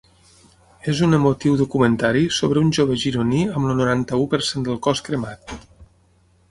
És un emotiu documentari sobre un jove gironí amb el noranta-u per cent del cos cremat.